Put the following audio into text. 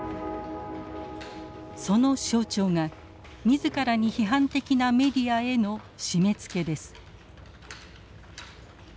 その象徴が自らに批判的なメディアへの締め付けです。